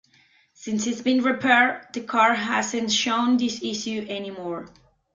Since it's been repaired, the car hasn't shown the issue any more.